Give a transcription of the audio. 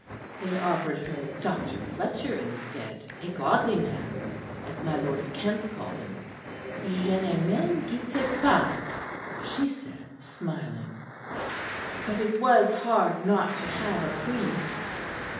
They offered her Dr. Fletcher instead, 'a godly man,' as my lord of Kent called him. 'Je ne m'en doute pas,' she said, smiling. But it was hard not to have a priest.